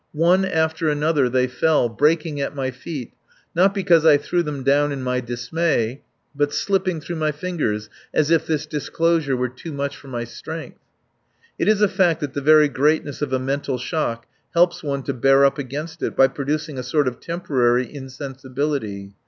One after another they fell, breaking at my feet, not because I threw them down in my dismay, but slipping through my fingers as if this disclosure were too much for my strength. It is a fact that the very greatness of a mental shock helps one to bear up against it by producing a sort of temporary insensibility.